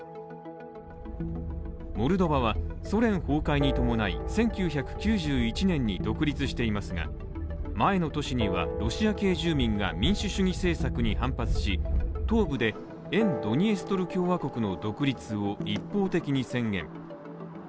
モルドバは、ソ連崩壊に伴い、１９９１年に独立していますが前の年には、ロシア系住民が民主主義政策に反発し、東部で沿ドニエストル共和国の独立を一方的に宣言。